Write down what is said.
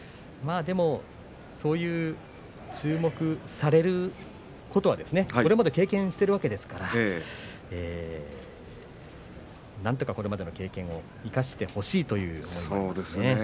そういう注目されることはこれまでも経験しているわけですからなんとかこの経験を生かしてほしいという気がしますね。